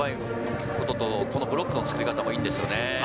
ブロックの作り方もいいんですよね。